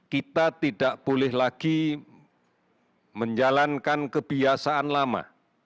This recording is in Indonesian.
kita tidak boleh lagi menjalankan kebiasaan lama